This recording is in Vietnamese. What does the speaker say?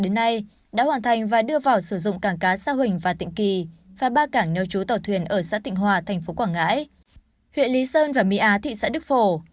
đến nay đã hoàn thành và đưa vào sử dụng cảng cá sa huỳnh và tịnh kỳ và ba cảng neo chú tàu thuyền ở xã tịnh hòa thành phố quảng ngãi huyện lý sơn và mỹ á thị xã đức phổ